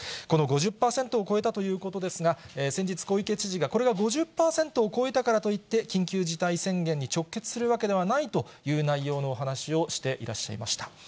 この５０％を超えたということですが、先日、小池知事が、これが５０％を超えたからといって、緊急事態宣言に直結するわけではないという内容のお話をしていらっしゃいました。